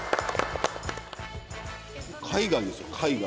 海外ですよ海外。